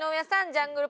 ジャングル